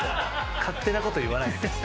勝手なこと言わないでください。